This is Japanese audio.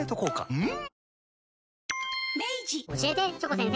うん？